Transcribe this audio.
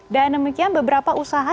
dan demikian beberapa usaha